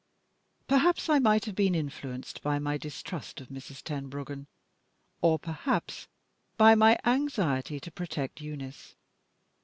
Perhaps I might have been influenced by my distrust of Mrs. Tenbruggen, or perhaps by my anxiety to protect Eunice.